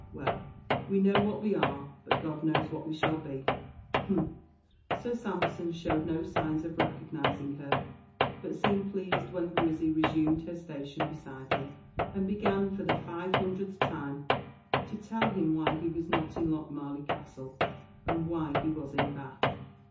Well, we know what we are, but God knows what we shall be humph!" Sir Sampson showed no signs of recognising her, but seemed pleased when Grizzy resumed her station beside him; and began for the five hundredth time to tell him why he was not in Lochmarlie Castle, and why he was in Bath.